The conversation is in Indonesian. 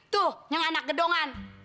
tuh yang anak gedongan